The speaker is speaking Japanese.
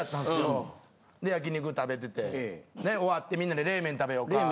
ほんで焼肉食べてて終わってみんなで冷麺食べようか言うて。